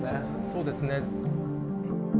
そうですね。